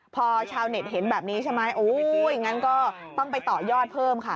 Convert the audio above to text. พอชาวเน็ตเห็นแบบนี้ใช่ไหมโอ้ยงั้นก็ต้องไปต่อยอดเพิ่มค่ะ